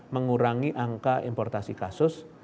mengurangi angka importasi kasus